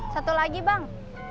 satu lagi bang